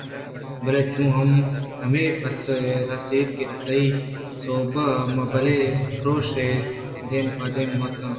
بلے چُوداں ہم ہمے پسّہ ئے رَست کہ تئی سَوَب ءَ ما بلاہیں پرٛوشے ءِ دیمپان بُوتاں